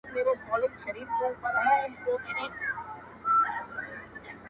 چي پر خره زورور نه یې پهلوانه!.